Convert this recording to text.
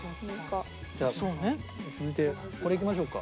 じゃあ続いてこれいきましょうか。